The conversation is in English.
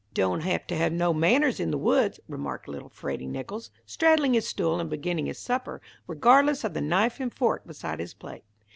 "Don't have to have no manners in the woods," remarked little Freddy Nicholls, straddling his stool, and beginning his supper, regardless of the knife and fork beside his plate.